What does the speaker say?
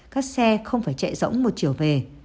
các xe không phải chạy rỗng một chiều về